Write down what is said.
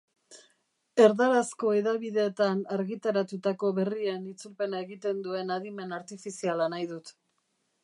Erdarazko hedabideetan argitaratutako berrien itzulpena egiten duen adimen artifiziala nahi dut.